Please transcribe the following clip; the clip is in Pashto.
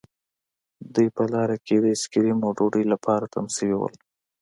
دوی په لاره کې د آیس کریم او ډوډۍ لپاره تم شوي وو